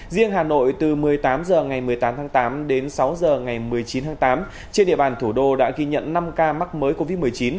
riêng hà nội từ một mươi tám h ngày một mươi tám tháng tám đến sáu h ngày một mươi chín tháng tám trên địa bàn thủ đô đã ghi nhận năm ca mắc mới covid một mươi chín